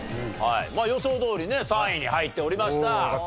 まあ予想どおりね３位に入っておりました。